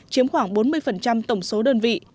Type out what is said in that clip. chiếm khoảng bốn mươi tổng số đơn vị